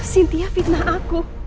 cynthia fitnah aku